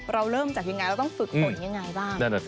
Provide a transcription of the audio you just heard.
เราเริ่มจากยังไงเราต้องฝึกฝนยังไงบ้าง